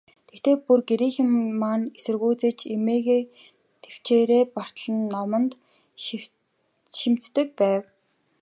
Тэгэхдээ, бүр гэрийнхэн маань эсэргүүцэж, эмээгээ тэвчээрээ бартал нь номд шимтдэг байв.